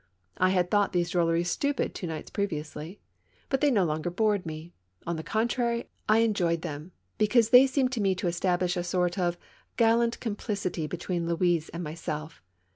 I had thought those drolleries stupid two nights previously. But they no longer bored me ; on the contrary, I enjoyed them, because they seemed to me to establish a sort of gallant complicity between Louise and myself.